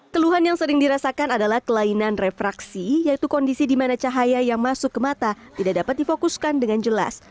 keluhan yang sering dirasakan adalah kelainan refraksi yaitu kondisi di mana cahaya yang masuk ke mata tidak dapat difokuskan dengan jelas